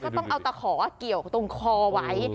ต้องเอาตะขอเกี่ยวตรงคอไว้